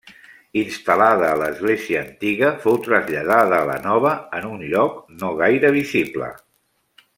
Instal·lada a l'església antiga fou traslladada a la nova, en un lloc no gaire visible.